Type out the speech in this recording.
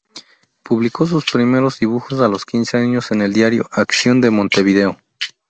Publicó sus primeros dibujos a los quince años en el diario "Acción" de Montevideo.